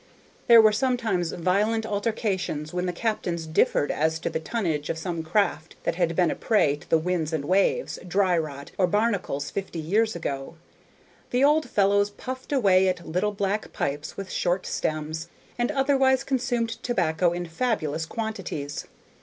There were sometimes violent altercations when the captains differed as to the tonnage of some craft that had been a prey to the winds and waves, dry rot, or barnacles fifty years before. The old fellows puffed away at little black pipes with short stems, and otherwise consumed tobacco in fabulous quantities.